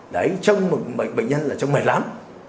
đấy trong bệnh nhân là trong mệt lắm